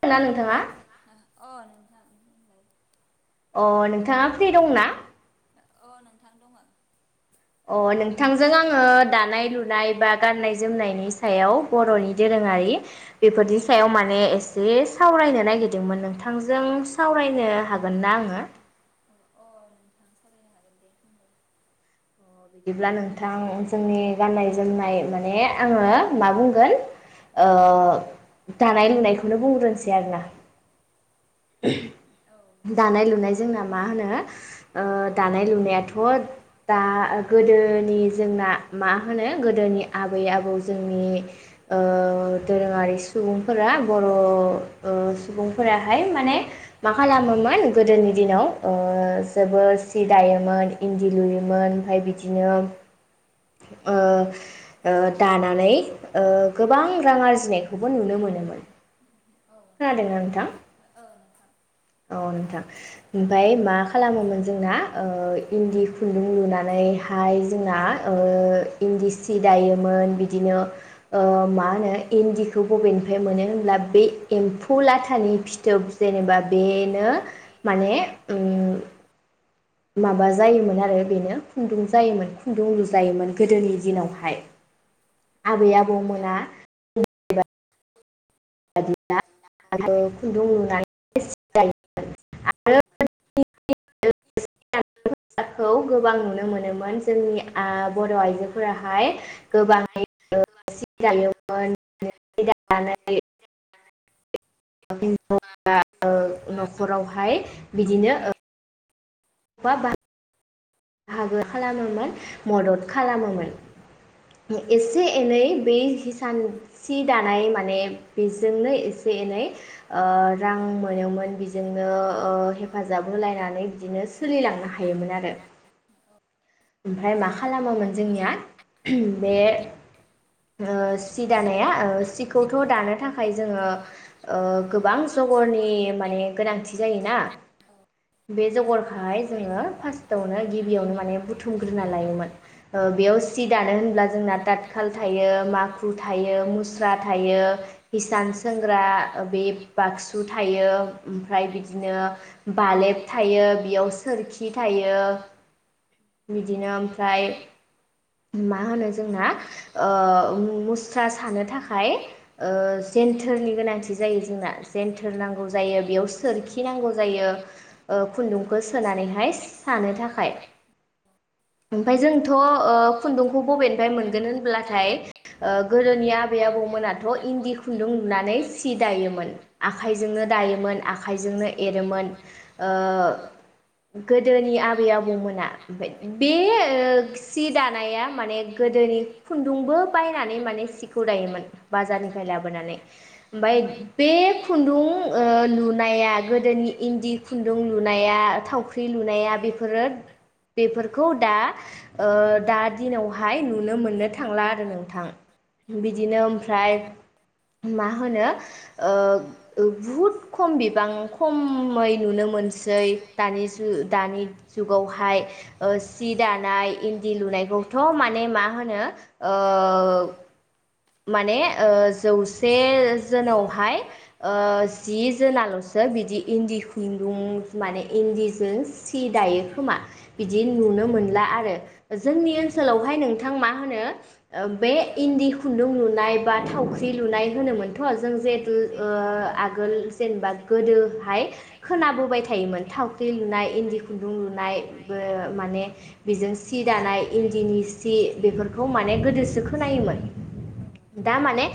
खोना नोंथाङा अ नोंथाङा फ्रि दंना अ नोंथां दङ अ नोंथांजों आङो दानाय लुनाय बा गाननाय जोमनायनि सायाव बरनि दोरोङारि बेफोरनि सायाव माने एसे सावरायनो नागिरदोंमोन नोंथांजों सावरायनो हागोन ना आङो ! ! ! ! बिदिब्ला नोंथां जोंनि गाननाय जोमनाय माने आङो मा बुंगोन दानाय लुनायखौनो बुंग्रोनोसै आरोना दानाय लुनाय जोंना मा होनो दानाय लुनायाथ दा गोदोनि आबै आबौ जोंनि दोरोङारि सुबुंफोरा बर सुबुंफोराहाय माने मा खालामोमोन गोदोनि दिनाव जोबोर सि दायोमोन इन्दि लुयोमोन ओमफ्राय बिदिनो दानानै गोबां रां आरजिनायखौबो नुनो मोनोमोन खोनादों नोंथां औ नोंथां ओमफ्राय मा खालामोमोन जोंना इन्दि खुन्दुं लुनानैहाय जोंना ओ इन्दि सि दायोमोन बिदिनो मा होनो इन्दिखौ बबेनिफ्राय मोनो होनब्ला बे एम्फौ लाथानि फिथोब जेनेबा बेनो माने माबा जायोमोन आरो बेनो खुन्दुं जायोमोन खुन्दुं लुजायोमोन गोदोनि दिनावहाय [inaudible] आबै आबौमोना [unintelligible] खुन्दुं लुनाय [unintelligible] गोबां नुनो मोनोमोन जोंनि आ बर' आइजोफोराहाय गोबाङै [unintelligible] सि दायोमोन [unintelligible] [unintelligible] [unintelligible] न'खरावहाय बिदिनो बा बा बाहागो खालामोमोन मदद खालामोमोन एसे एनै बे हिसान सि दानाय माने बेजोंनो एसे एनै ओ रां मोनोमोन बेजोंनो ओ हेफाजाब होलायनानै बिदिनो सोलिलांनो हायोमोन आरो। ओमफ्राय मा खालामोमोन जोंनिया [unintelligible] बे ओ सि दानाया ओ सिखौथ' दानो थाखाय जोङो ओ गोबां जहरनि माने गोनांथि जायोना [inaudible] बे जगरखोहाय जोङो फार्स्टआव गिबियावनो माने बुथुमग्रोना लायोमोन ओ बेयाव सि दानो होनब्ला जोंना दा साल थायो माखु थायो मुस्रा थायो हिसान सोंग्रा बे बाक्सु थायो ओमफ्राय बिदिनो बालेब थायो बेयाव सोरखि थायो बिदिनो ओमफ्राय [inaudible] मा होनो जोंना ओ मुस्रा सानो थाखाय ओ जेनथोरनि गोनांथि जायो जोंना जेनथोर नांगौ जायो बेयाव सोरखि नांगौ जायो ओ खुन्दुंखौ सोनानैहाय सानो थाखाय। [inaudible] ओमफाय जोंथ' ओ खुन्दुंखौ बबेनिफ्राय मोनगोन अब्लाथाय ओ गोदोनि आबै आबौमोनाथ' इनदि खुनदुं नुनानै सि दायोमोन आखाइजोंनो दायोमोन आखाइजोंनो एरोमोन ओ गोदोनि आबै आबौमोन [unintelligible] बे ओ सि दानाया माने गोदोनि खुंन खुनदुंबो बायनानै माने सिखौ दायोमोन बाजारनिफ्राय लाबोनानै ओमफाय बे खुनदुं ओ लुनाया गोदोनि इनदि खुनदुं लुनाया थावख्रि लुनाया बेफोरो बेफोरखौ दा ओ दा दिनावहाय नुनो मोननो था थांला आरो नोंथां बि बिदिनो ओमफ्राय मा होनो ओ बुहुद खम बिबां खमै नुनो मोनसै दानि जु दानि जुगावहाय। ओ सि दानाय इनदि लुनायखौथ' माने मा होनो ओ माने ओ जौसे जोनावहाय ओ जि जोनाल'सो बिदि इनदि खुनदुं माने इनदिजों सि दायो खोमा बिदि नुनो मोनला आरो जोंनि ओनसोलावहाय नोंथां मा होनो ओ बे इनदिखौ खुनदुं लुनाय बा थावख्रि लुनाय होनोमोनथ' जोंजेबो ओ आगोल जेनेबा गोदोहाय खोनाबो [unintelligible] थावख्रि लुनाय इन्दि खुन्दुं लुनाय बो माने बेजों सि दानाय इन्दिनि सि बेफोरखौ माने गोदोसो खोनायोमोन। दा माने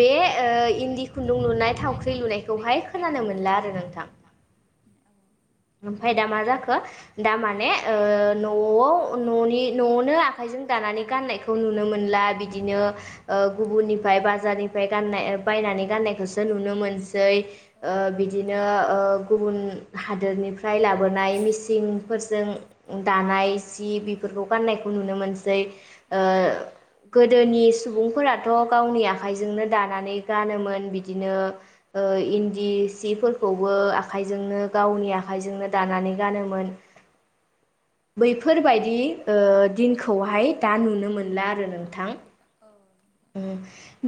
बे ओ इन्दि खुन्दुं लुनाय थावख्रि लुनायखौहाय खोनानो मोनला आरो नोंथां [inaudible] ओमफाय दा मा जाखो दा माने ओ न'आव न'नि न'आवनो आखाइजों दानानै गाननायखौ नुनो मोनला बिदिनो ओ गुबुननिफ्राय बाजारनिफ्राय गाननाय बायनानै गाननायखौसो नुनो मोनसै ओ बिदिनो ओ गुबुन हादोरनिफ्राय फ्राय लाबोनाय मिसिं फोरजों दानाय सि बेफोरखौ गाननायखौ नुनो मोनसै ओ गोदोनि सुबुंफोराथ' गावनि आखाइजोंनो दानानै गानोमोन बिदिनो ओ इनदि सिफोरखौबो आखाइजोंनो गावनि आखाइजोंनो दानानै गानोमोन बैफोरबायदि ओ दिनखौहाय दा नुनो मोनला आरो नोंथां ओ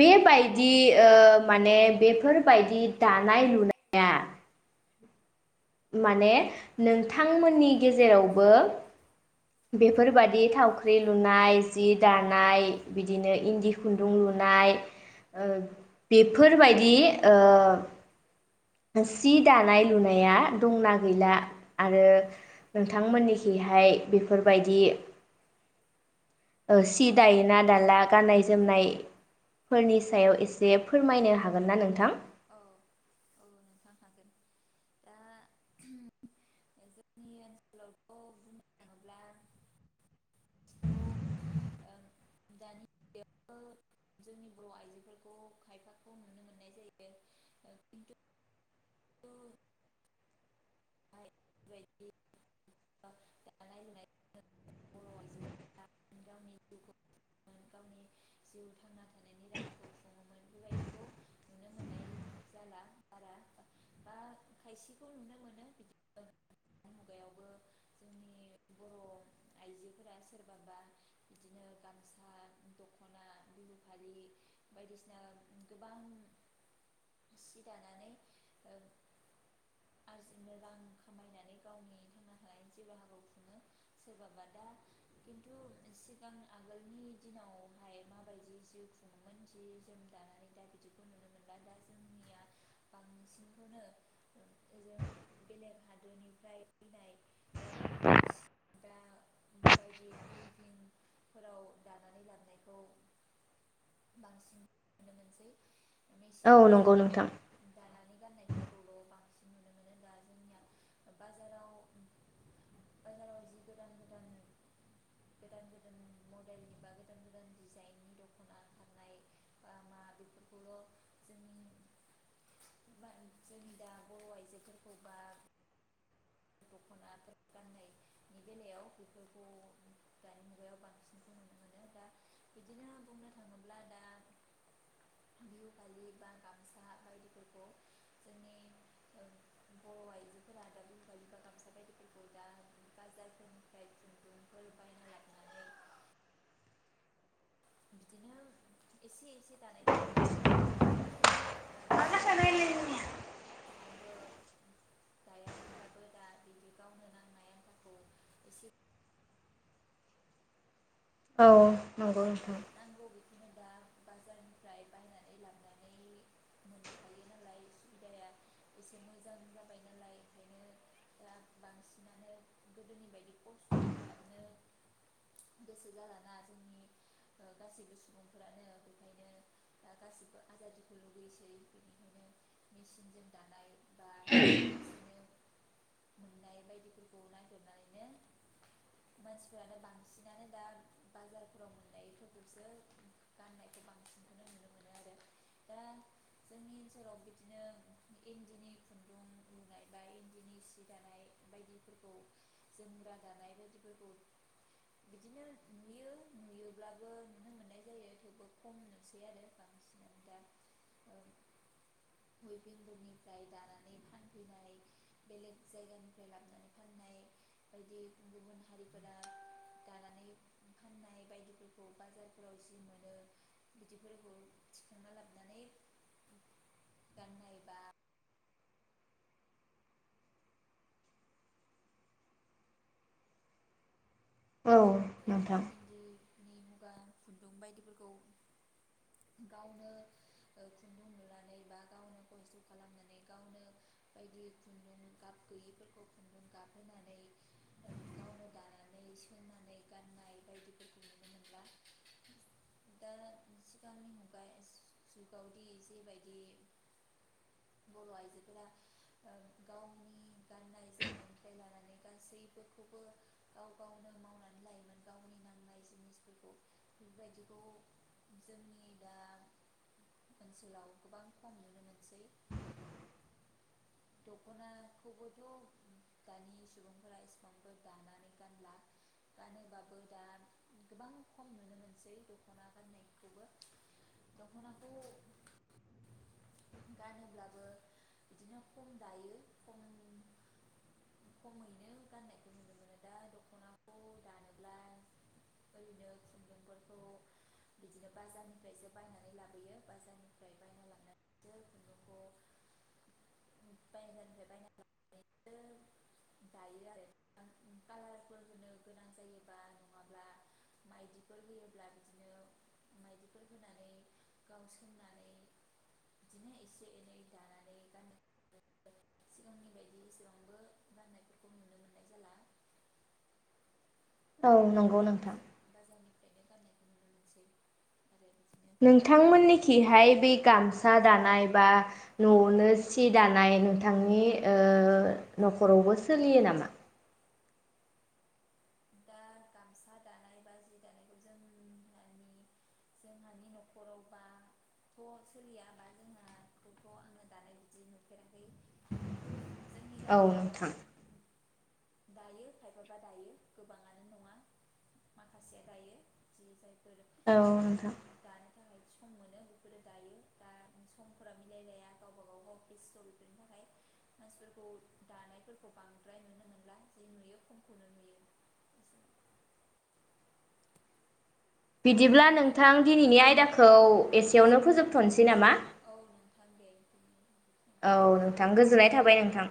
बेबायदि ओ माने बेफोरबायदि दानाय लुनाया माने नोंथांमोननि गेजेरावबो बे बेफोरबायदि थावख्रि लुनाय जि दानाय बिदिनो इनदि खुनदुं लुनाय बेफोरबायदि ओ [unintelligible] दानाय लुनाया दंना गैला आरो नोंथांमोननिखिहाय बेफोरबायदि ओ सि दायोना दाला गाननाय जोमनाय फोरनि सायाव एसे फोरमायनो हागोन ना नोंथां [inaudible] [inaudible] [inaudible] [inaudible] [inaudible] [inaudible] [inaudible] [inaudible] [inaudible] [inaudible] [inaudible] [unintelligible] [inaudible] औ नंगौ [inaudible] [inaudible] [inaudible] [inaudible] [inaudible] [inaudible] [inaudible] [inaudible] औ नोंथां नि मुगा खुन्दुं बायदिफोरखौ गावनो खुन्दुं लुनानै बा गावनो खस्थ' खालामनानै गावनो बायदि खुन्दुं गाब गैयैफोरखौ खुन्दुं गाबहोनानै गावनो दानानै सोनानै। गाननाय बायदिफोरखौ नुनो मोनला दा सिगांनि मुगा जुगावदि जेबायदि बर' आइजोफोरा गावनि गाननाय जोमनायनिफ्राय लानानै गासैफोरखौबो गाव गावनो मावनानै। लायोमोन गावनि नांनाय जिनिसफोरखौ बेफोरबायदिखौ जोंनि दा ओनसोलाव गोबां खम नुनो मोनसै। दख'नाखौबोथ' दानि सुबुंफोरा इसिबांफोर दानानै गानला गानोबाबो दा गोबां खम नुनो मोनसै दख'ना गाननायखौबो दख'नाखौ। गानोब्लाबो बिदिनो खम दायो खम खमैनो गाननायखौ नुनो मोनो। खन्दखौ बायगानिफ्राय बायना ल दायो आरो कालारफोर होनो गोनां जायोबा नङाब्ला माइदिफोर होयोब्ला बिदिनो माइदिफोर होनानै गाव सोंनानै। बिदिनो एसे एनै दानानै गाननाय सिगांनि बायदि एसेबांबो गाननायफोरखौ नुनो मोननाय जाला। औ नंगौ नोंथां। ओनो गाननायखौ नुनो मोनसै आरोनोसै। नोंथांमोननिखिहाय बे गामसा दानाय बा न'आवनो सि दानाय नोंथांनि नखरावबो सोलियो नामा? दा गामसा दानाय बा जि दानायखौ जों [inaudible] औ नोंथां। दायो खायफाबा दायो। गोबाङानो नङा माखासेया दायो जि जाय। औ नोंथां। थाखाय सम मोनो बेफोरो दायो दा समफोरा। बिदिब्ला नोंथां दिनैनि आयदाखौ एसेयावनो फोजोबथ'नोसै नामा। [unintelligible] औ नोंथां गोजोननाय थाबाय नोंथां।